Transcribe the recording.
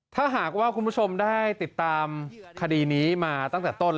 ถ้าหากว่าคุณผู้ชมได้ติดตามคดีนี้มาตั้งแต่ต้น